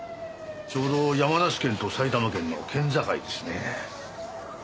ちょうど山梨県と埼玉県の県境ですね。